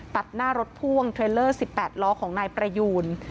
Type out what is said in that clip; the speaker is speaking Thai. ตัดหน้ารถพ่วงเทรลเลอร์๑๘ล้อของนายประยูน